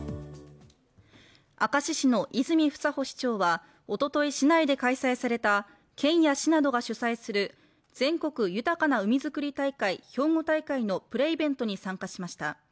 明石市の泉房穂市長はおととい市内で開催された県や市などが主催する全国豊かな海づくり大会・兵庫大会のプレイベントに参加しました。